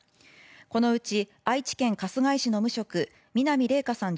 このうち愛知県春日井市の無職・南怜華さん